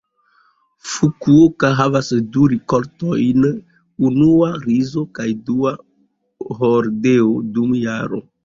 Fukuoka havas du rikoltoj, unua rizo kaj dua hordeo, dum jaro.